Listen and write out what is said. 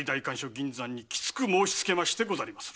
銀山にきつく申しつけましてございます。